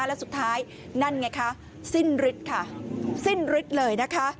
แล้วสุดท้ายนั่นไงคะสิ้นฤทธิ์ค่ะสิ้นฤทธิ์เลยนะคะ